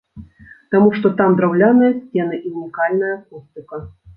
Таму што там драўляныя сцены і ўнікальная акустыка!